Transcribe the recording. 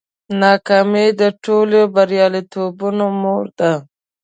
ناکامي د ټولو بریالیتوبونو مور ده.